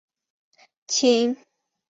清朝崇德元年建旗。